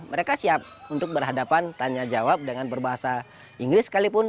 mereka siap untuk berhadapan tanya jawab dengan berbahasa inggris sekalipun